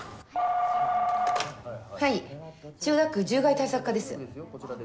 ☎はい千代田区獣害対策課です。